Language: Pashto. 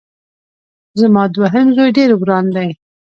زما دوهم زوی ډېر وران دی